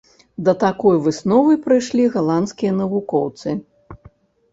Да такой высновы прыйшлі галандскія навукоўцы.